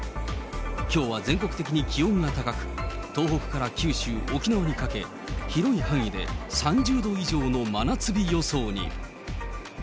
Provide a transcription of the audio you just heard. きょうは全国的に気温が高く、東北から九州、沖縄にかけ、広い範囲で３０度以上の真夏日予想に。